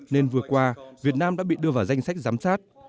nên vừa qua việt nam đã bị đưa vào danh sách giám sát